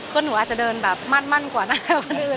ก็หนูอาจจะเดินแบบมัดกว่าหน้าคนอื่น